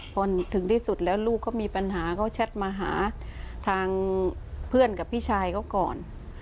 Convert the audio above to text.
พอถึงที่สุดแล้วลูกเขามีปัญหาเขาแชทมาหาทางเพื่อนกับพี่ชายเขาก่อน